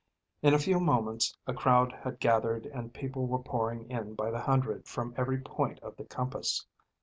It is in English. In a few moments a crowd had gathered and people were pouring in by the hundred from every point of the compass.